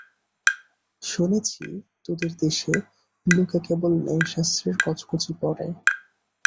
শুনেছি, তোদের দেশে লোকে কেবল ন্যায়শাস্ত্রের কচকচি পড়ে।